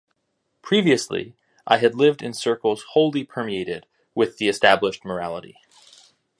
Previously, I had lived in circles wholly permeated with the established morality.